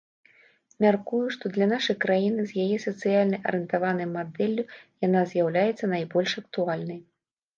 Мяркую, што для нашай краіны з яе сацыяльна арыентаванай мадэллю яна з'яўляецца найбольш актуальнай.